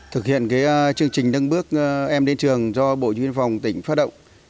thực hiện chương trình nâng bước em đến trường do bộ đội biên phòng tỉnh phát động